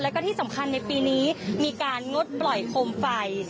แล้วก็ที่สำคัญในปีนี้มีการงดปล่อยโคมไฟ